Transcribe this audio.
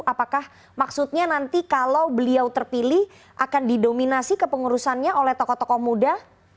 apakah maksudnya nanti kalau beliau terpilih akan didominasi kepengurusannya oleh tokoh tokoh muda